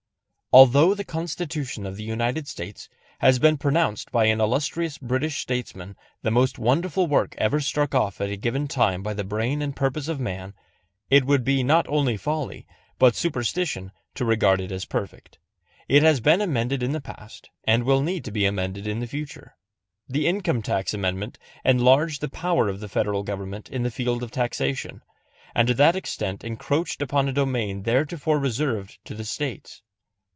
Although the Constitution of the United States has been pronounced by an illustrious British statesman the most wonderful work ever struck off at a given time by the brain and purpose of man, it would be not only folly, but superstition, to regard it as perfect. It has been amended in the past, and will need to be amended in the future. The Income Tax Amendment enlarged the power of the Federal government in the field of taxation, and to that extent encroached upon a domain theretofore reserved to the States.